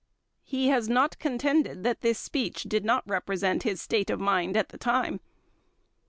He has not contended that this speech did not represent his state of mind at the time.